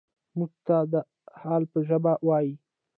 موږ ته د حال په ژبه وايي.